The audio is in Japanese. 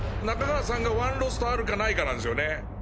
中川さんがワンロストあるかないかなんですよね。